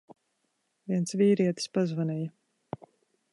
Viens vīrietis pazvanīja.